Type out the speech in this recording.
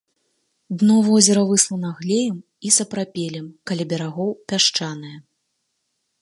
Дно возера выслана глеем і сапрапелем, каля берагоў пясчанае.